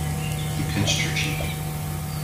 He pinched her cheek.